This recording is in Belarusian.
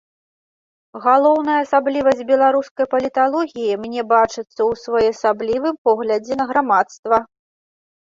Галоўная асаблівасць беларускай паліталогіі мне бачыцца ў своеасаблівым поглядзе на грамадства.